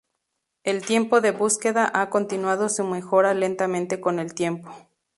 El tiempo de búsqueda ha continuado su mejora lentamente con el tiempo.